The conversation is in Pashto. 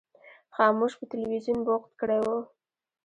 خاموش په تلویزیون بوخت کړی و.